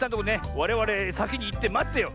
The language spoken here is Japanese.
われわれさきにいってまってよう。